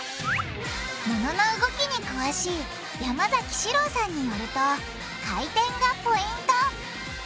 モノの動きに詳しい山崎詩郎さんによると回転がポイント！